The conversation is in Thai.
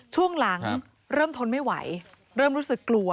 ช่วงหลังเริ่มทนไม่ไหวเริ่มรู้สึกกลัว